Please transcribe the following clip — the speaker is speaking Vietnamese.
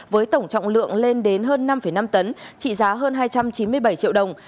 với tổng trọng lượng lên đến hơn năm năm tấn trị giá hơn hai trăm chín mươi bảy triệu đồng